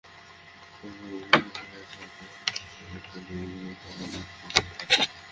পূর্বে বুঝান হইয়াছে, অহংতত্ত্ব হইতে ইন্দ্রিয় ও তন্মাত্রর উৎপত্তি হয়।